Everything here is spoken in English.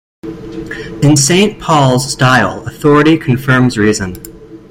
In Saint Paul's style authority confirms reason.